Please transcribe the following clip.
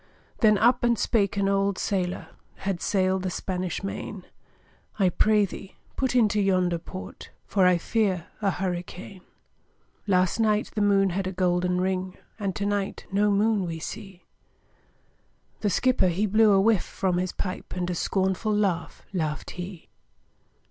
Then up and spake an old sailòr, Had sail'd the Spanish Main, 'I pray thee, put into yonder port, For I fear a hurricane. 'Last night, the moon had a golden ring, And to night no moon we see!' The skipper, he blew a whiff from his pipe, And a scornful laugh laughed he.